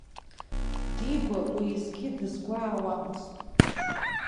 Дигәа уеизгьы дызгәаауамызт.